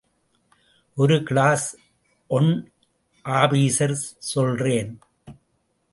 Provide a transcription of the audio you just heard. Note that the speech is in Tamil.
ஒரு கிளாஸ் ஒன் ஆபீசர் சொல்றேன்.